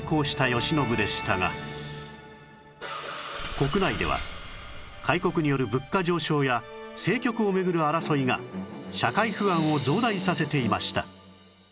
国内では開国による物価上昇や政局を巡る争いが社会不安を増大させていました